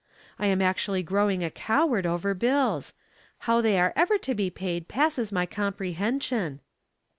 I am actually growing a coward over bills. How they are ever to be paid passes my comprehension."